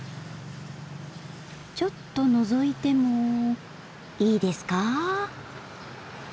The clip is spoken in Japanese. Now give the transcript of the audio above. ちょっとのぞいてもいいですか？